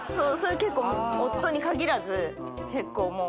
夫に限らず結構もう。